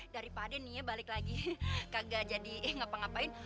daripada nih ya balik lagi kagak jadi eh ngapa ngapain